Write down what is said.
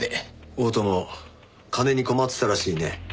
大友金に困ってたらしいね。